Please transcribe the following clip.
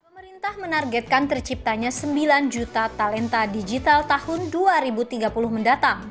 pemerintah menargetkan terciptanya sembilan juta talenta digital tahun dua ribu tiga puluh mendatang